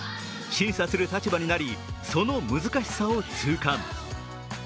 審査する立場になり、その難しさを痛感。